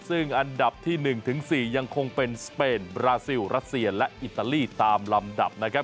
ซึ่งอันดับที่๑ถึง๔ยังคงเป็นสเปนบราซิลรัสเซียและอิตาลีตามลำดับนะครับ